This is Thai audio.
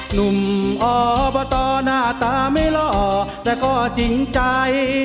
หนุ่มอบตหน้าตาไม่หล่อแต่ก็จริงใจ